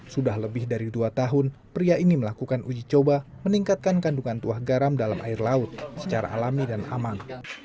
sudah lebih dari dua tahun pria ini melakukan uji coba meningkatkan kandungan tuah garam dalam air laut secara alami dan aman